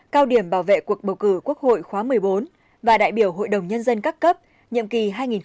cao điểm bảo vệ cuộc bầu cử quốc hội khóa một mươi bốn và đại biểu hội đồng nhân dân các cấp nhiệm kỳ hai nghìn một mươi sáu hai nghìn hai mươi sáu